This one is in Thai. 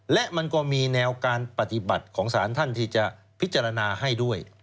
และมันก็มีแนวการปฏิบัติของสารท่านที่จะพิจารณาให้ด้วย